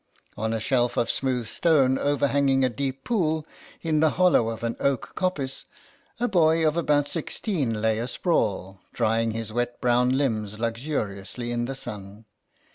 On a shelf of smooth stone overhanging a deep pool in the hollow of an oak coppice a boy of about sixteen lay asprawl, drying his wet brown limbs luxuriously in the sun.